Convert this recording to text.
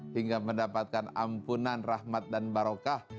hingga mendapatkan ampunan rahmat dan barokah